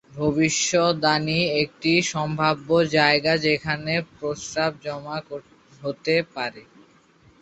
ভবিষ্যদ্বাণী একটি সম্ভাব্য জায়গা যেখানে প্রস্রাব জমা হতে পারে।